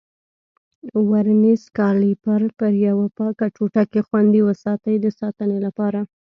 ورنیز کالیپر پر یوه پاکه ټوټه کې خوندي وساتئ د ساتنې لپاره.